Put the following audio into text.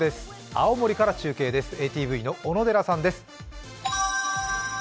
青森から中継です、ＡＴＶの小野寺さんです。